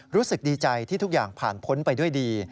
รู้สึกดีใจที่ทุกอย่างผ่านพ้นไปด้วยดี